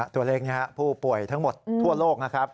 ตัวเลขนี้ผู้ป่วยทั้งหมดทั่วโลกนะครับ